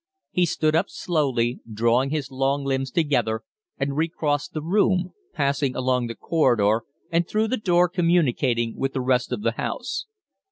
He stood up slowly, drawing his long limbs together, and recrossed the room, passing along the corridor and through the door communicating with the rest of the house.